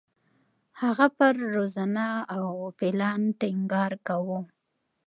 هغه پر روزنه او پلان ټینګار کاوه.